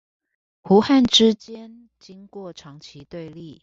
胡漢之間經過長期對立